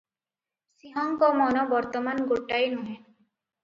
ସିଂହଙ୍କ ମନ ବର୍ତ୍ତମାନ ଗୋଟାଏ ନୁହେ;